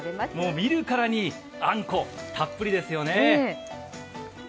見るからにあんこたっぷりですよね。